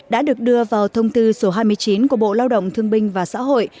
đã được đưa vào thông tư số hai mươi chín của bộ lao động thương binh và xã hội